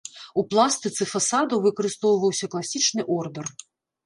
У пластыцы фасадаў выкарыстоўваўся класічны ордар.